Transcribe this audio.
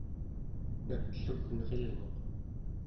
natlugnerilnguq